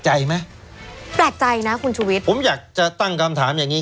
ใจไหมแปลกใจนะคุณชุวิตผมอยากจะตั้งคำถามอย่างงี้